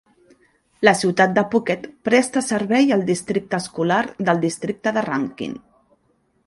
La ciutat de Puckett presta servei a districte escolar del districte de Rankin.